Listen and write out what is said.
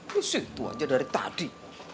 disitu aja dari tadi